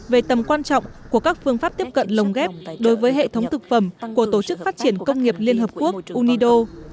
về tầm quan trọng của các phương pháp tiếp cận lồng ghép đối với hệ thống thực phẩm của tổ chức phát triển công nghiệp liên hợp quốc unido